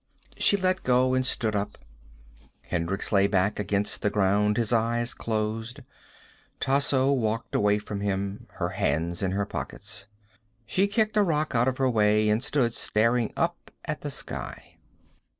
She let go and stood up. Hendricks lay back against the ground, his eyes closed. Tasso walked away from him, her hands in her pockets. She kicked a rock out of her way and stood staring up at the sky.